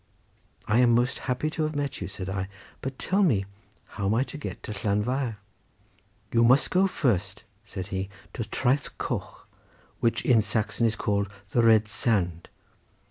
"I am most happy to have met you," said I; "but tell me how am I to get to Llanfair?" "You must go first," said he, "to Traeth Coch, which in Saxon is called the 'Red Sand.